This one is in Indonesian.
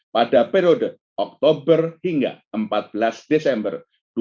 pada periode oktober hingga empat belas desember dua ribu dua puluh